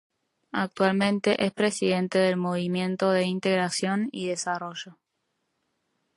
Actualmente es presidente del Movimiento de Integración y Desarrollo.